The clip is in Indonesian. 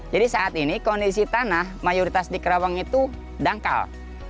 jadi saat ini kondisi tanah mayoritas di karawang itu dangkal